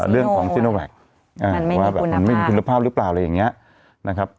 เรื่องของซีโนแวคว่าแบบมันไม่มีคุณภาพหรือเปล่าอะไรอย่างนี้นะครับ